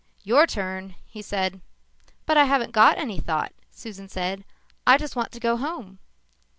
"Your turn," he said. "But I haven't got any thought," Susan said. "I just want to go home."